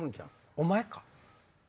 お前か？